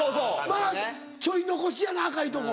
まぁちょい残しやな赤いとこ。